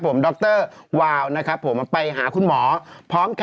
น้ำชาชีวนัทครับผมโพสต์ขอโทษทำเข้าใจผิดหวังคำเวพรเป็นจริงนะครับ